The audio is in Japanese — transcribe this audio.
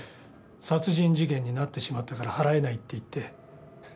殺人事件になってしまったから払えないって言って帰ってもらいました。